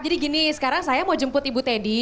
jadi gini sekarang saya mau jemput ibu teddy